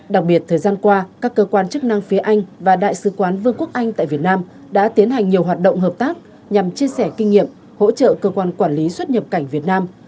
đặc biệt thời gian qua các cơ quan chức năng phía anh và đại sứ quán vương quốc anh tại việt nam đã tiến hành nhiều hoạt động hợp tác nhằm chia sẻ kinh nghiệm hỗ trợ cơ quan quản lý xuất nhập cảnh việt nam